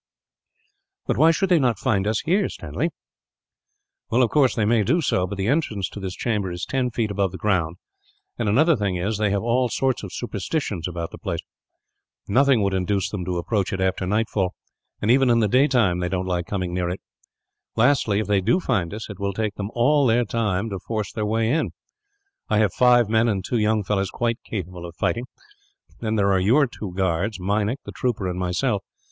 "But why should not they find us here, Stanley?" "Well, of course they may do so, but the entrance to this chamber is ten feet above the ground; and another thing is, they have all sorts of superstitions about the place. Nothing would induce them to approach it, after nightfall; and even in the daytime, they don't like coming near it. Lastly, if they do find us, it will take them all their time to force their way in. I have five men, and two young fellows quite capable of fighting; then there are your two guards, Meinik, the trooper, and myself.